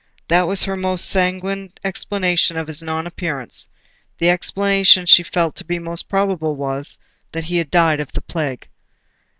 That was her most sanguine explanation of his non appearance. The explanation she felt to be most probable was, that he had died of the Plague.